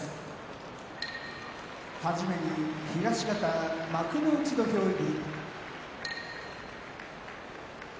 はじめに東方幕内土俵入り。